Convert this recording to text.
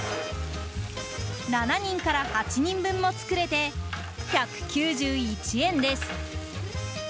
７人から８人分も作れて１９１円です。